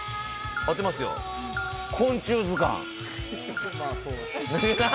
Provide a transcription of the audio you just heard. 当てますよ、昆虫図鑑。